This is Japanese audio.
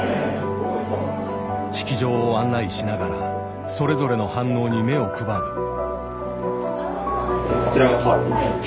式場を案内しながらそれぞれの反応に目を配る。